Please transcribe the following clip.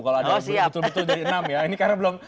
kalau ada betul betul jadi enam ya ini karena belum